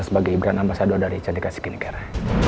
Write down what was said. sebagai ibran ambasado dari chandika skincare